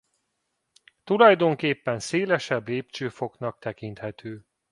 Tulajdonképpen szélesebb lépcsőfoknak tekinthető.